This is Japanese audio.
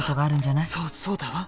そそうだわ。